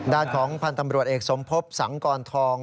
ด้านของพันธ์ตำรวจเอกสมภพสังกรทอง